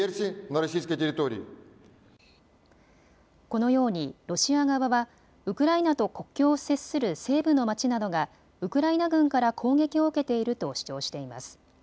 このようにロシア側はウクライナと国境を接する西部の町などがウクライナ軍から攻撃を受けていると主張しています。